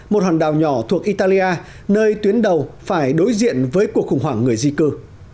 một hòn đảo nhỏ thuộc italia nơi tuyến đầu phải đối diện với cuộc khủng hoảng người di cư